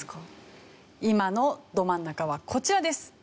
今のど真ん中はこちらです。